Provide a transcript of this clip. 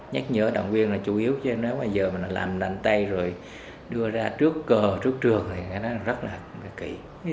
nhắc nhở đồng viên là chủ yếu chứ nếu mà giờ mình làm mạnh tay rồi đưa ra trước cờ trước trường thì nó rất là kỹ